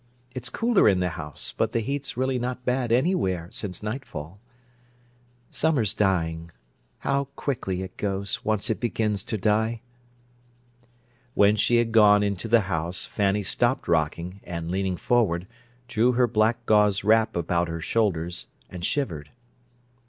It's cooler in the house, but the heat's really not bad anywhere, since nightfall. Summer's dying. How quickly it goes, once it begins to die." When she had gone into the house, Fanny stopped rocking, and, leaning forward, drew her black gauze wrap about her shoulders and shivered.